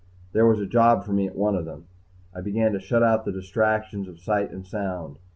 There was a job for me at one of them. I began to shut out the distractions of sight and sound.